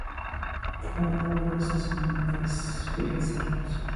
Praya west is now Des Voeux Road West.